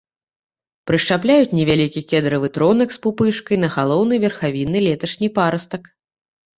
Прышчапляюць невялікі кедравы тронак з пупышкай на галоўны верхавінны леташні парастак.